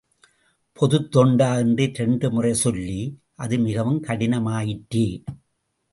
பொதுத் தொண்டா என்று இரண்டுமுறை சொல்லி, அது மிகவும் கடினமாயிற்றே?